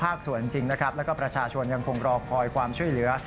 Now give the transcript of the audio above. มากส่วนจริงและก็ประชาชนยังคงรอพลอยความช่วยเหลือ